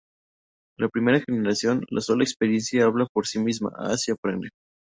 La primera generación: “La sola experiencia, habla por sí misma: haz y aprende!